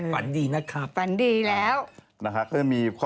ฝันดีนะครับฝันดีแล้วนะฮะ